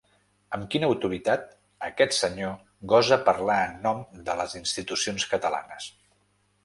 Amb quina autoritat aquest senyor gosa parlar en nom de les institucions catalanes.